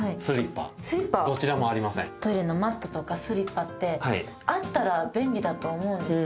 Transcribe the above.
トイレのマットとかスリッパってあったら便利だと思うんですよ